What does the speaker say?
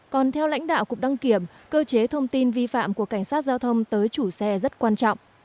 còn theo lãnh đạo cục đăng kiểm cơ chế thông tin vi phạm của cảnh sát giao thông tới chủ xe rất quan trọng